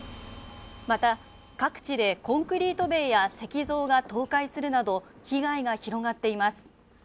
また、各地でコンクリート塀や石像が倒壊するなど被害が広がっています。